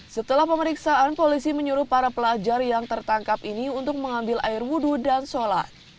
setelah pemeriksaan polisi menyuruh para pelajar yang tertangkap ini untuk mengambil air wudhu dan sholat